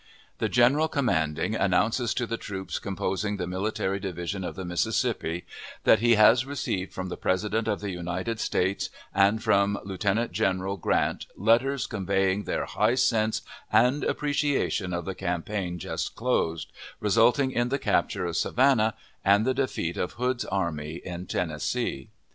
The general commanding announces to the troops composing the Military Division of the Mississippi that he has received from the President of the United States, and from Lieutenant General Grant, letters conveying their high sense and appreciation of the campaign just closed, resulting in the capture of Savannah and the defeat of Hood's army in Tennessee.